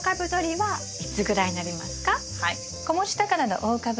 はい。